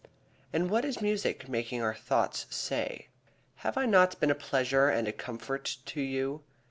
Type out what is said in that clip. And what is music making our thoughts say? "Have I not been a pleasure and a comfort to you?